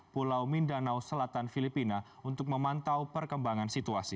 pulau mindanao selatan filipina untuk memantau perkembangan situasi